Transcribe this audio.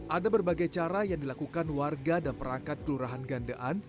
ada berbagai cara yang dilakukan warga dan perangkat kelurahan gandean